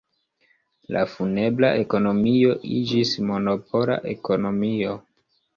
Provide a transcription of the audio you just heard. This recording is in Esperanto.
La funebra ekonomio iĝis monopola ekonomio.